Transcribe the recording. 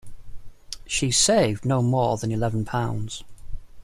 She’s saved no more than eleven pounds.